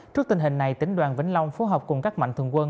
trước tình hình này tỉnh đoàn vĩnh long phối hợp cùng các mạnh thường quân